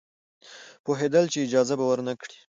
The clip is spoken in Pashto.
پوهېدل چې اجازه به ورنه کړي.